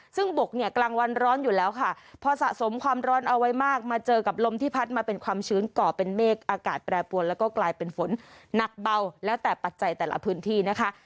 ซึ่งบกเนี่ยกลางวันร้อนอยู่แล้วค่ะพอสะสมความร้อนเอาไว้มากมาเจอกับลมที่พัดมาเป็นความชื้นก่อเป็นเมฆอากาศแปรปวนแล้วก็กลายเป็นฝนหนักเบาแล้วแต่ปัจจัยแต่ละพื้นที่นะคะ